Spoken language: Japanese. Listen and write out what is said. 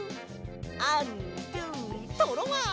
アンドゥトロワ！